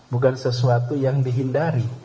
bukan sesuatu yang dihindari